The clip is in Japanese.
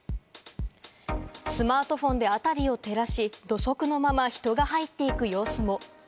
スマートフォンで辺りを照らし、土足のまま人が入っていく様子も。